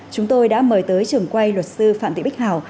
chúng tôi đã mời tới trưởng quay luật sư phạm thị bích hảo